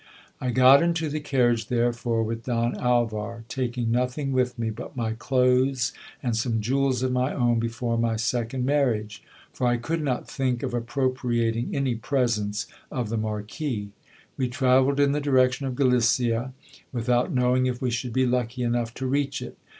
I got into the carriage, therefore, with Don Alvar, taking nothing with me but my clothes and some jewels of my own before my second marriage ; for I could not think of appropriating any presents of the Marquis. We travelled in the direction of Galicia, without knowing if we should be lucky enough to reach it.